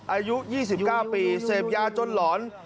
อายุ๒๙ปีเสพยาจนหลอน